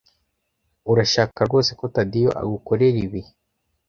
Urashaka rwose ko Tadeyo agukorera ibi?